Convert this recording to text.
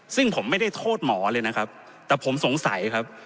ซึ่งผมไม่ได้โทษหมอเลยนะครับแต่ผมสงสัยครับ